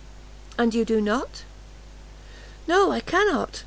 "And do you not?" "No! I cannot!